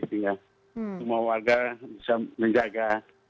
sehingga semua warga bisa menjaga